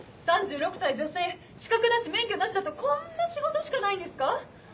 ３６歳女性資格なし免許なしだとこんな仕事しかないんですか？